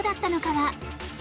は。